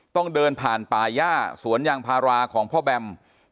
ต้องเดินผ่านป่าย่าสวนยางพาราของพ่อแบม